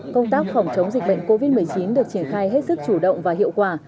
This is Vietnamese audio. công tác phòng chống dịch bệnh covid một mươi chín được triển khai hết sức chủ động và hiệu quả